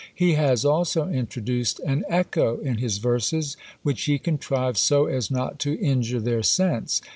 He has also introduced an echo in his verses which he contrives so as not to injure their sense.